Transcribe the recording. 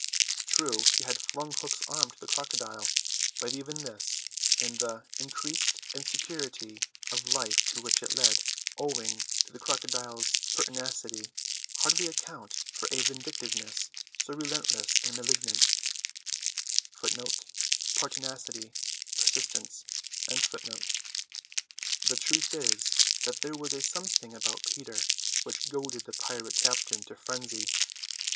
True he had flung Hook's arm to the crocodile, but even this and the increased insecurity of life to which it led, owing to the crocodile's pertinacity, hardly account for a vindictiveness so relentless and malignant. The truth is that there was a something about Peter which goaded the pirate captain to frenzy.